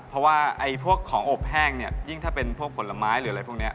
เพราะว่าไอ้พวกของอบแห้งเนี่ยยิ่งถ้าเป็นพวกผลไม้หรืออะไรพวกนี้